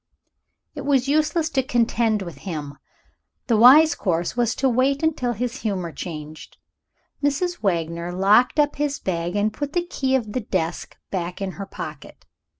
It was useless to contend with him; the one wise course was to wait until his humor changed. Mrs. Wagner locked up his bag, and put the key of the desk back in her pocket.